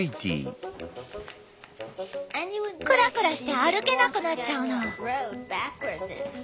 クラクラして歩けなくなっちゃうの。